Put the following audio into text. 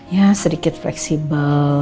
ya sedikit fleksibel